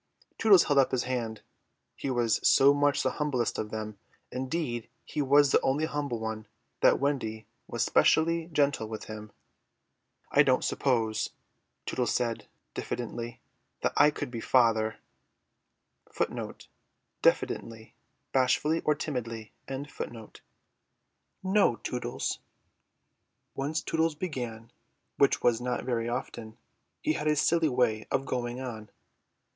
Tootles held up his hand. He was so much the humblest of them, indeed he was the only humble one, that Wendy was specially gentle with him. "I don't suppose," Tootles said diffidently, "that I could be father." "No, Tootles." Once Tootles began, which was not very often, he had a silly way of going on.